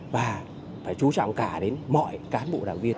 và phải chú trọng cả đến mọi cán bộ đảng viên